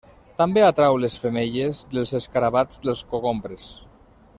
També atrau les femelles dels escarabats dels cogombres.